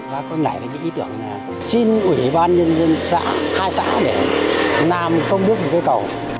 và con này là ý tưởng xin ủy ban nhân dân xã hai xã để làm công bước một cây cầu